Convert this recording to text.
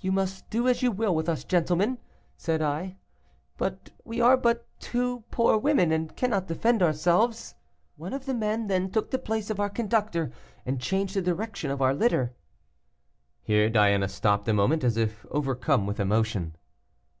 "'You must do as you will with us, gentlemen,' said I, 'we are but two poor women, and cannot defend ourselves.' One of the men then took the place of our conductor, and changed the direction of our litter." Here Diana stopped a moment, as if overcome with emotion.